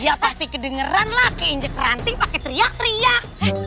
ya pasti kedengeran lah kayak injek ranting pakai teriak teriak